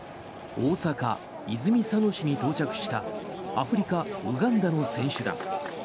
大阪・泉佐野市に到着したアフリカ・ウガンダの選手団。